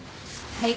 はい。